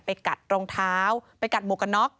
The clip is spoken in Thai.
ไปกัดรองเท้าไปกัดหมวกน๊อค